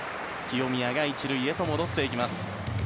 清宮が１塁へと戻っていきます。